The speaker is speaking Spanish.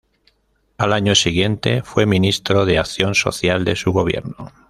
Al año siguiente, fue ministro de acción social de su gobierno.